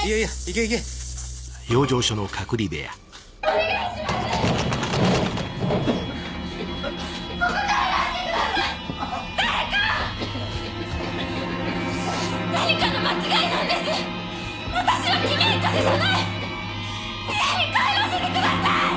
家に帰らせてください！